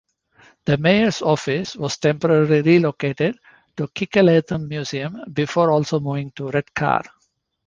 The Mayor's office was temporarily relocated to Kirkleatham Museum, before also moving to Redcar.